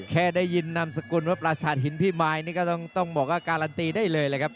แค่ได้ยินนามสกุลว่าปราสาทหินพี่มายนี่ก็ต้องบอกว่าการันตีได้เลยแหละครับ